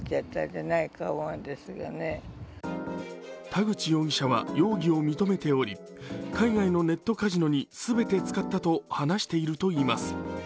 田口容疑者は容疑を認めており海外のネットカジノにすべて使ったと話しています。